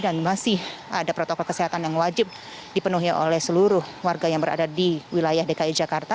dan masih ada protokol kesehatan yang wajib dipenuhi oleh seluruh warga yang berada di wilayah dki jakarta